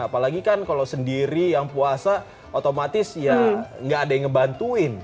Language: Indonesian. apalagi kan kalau sendiri yang puasa otomatis ya nggak ada yang ngebantuin